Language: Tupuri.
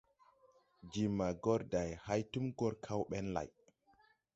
Je maa gɔr day hay tum gɔr kaw ɓɛn lay.